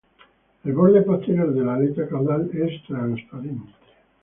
El borde posterior de la aleta caudal es transparente.